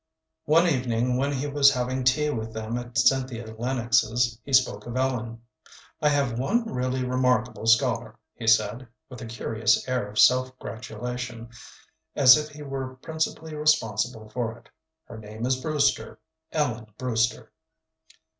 One evening when he was taking tea with them at Cynthia Lennox's, he spoke of Ellen. "I have one really remarkable scholar," he said, with a curious air of self gratulation, as if he were principally responsible for it; "her name is Brewster Ellen Brewster."